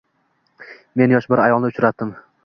men yosh bir ayolni uchratdim